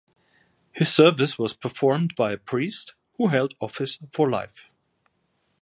His service was performed by a priest who held office for life.